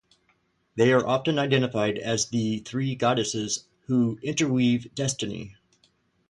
They are often identified as the three goddesses who interweave destiny.